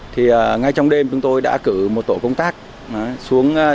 thì ngay trong đêm chúng tôi đã cử một tổ công tác xuống địa bàn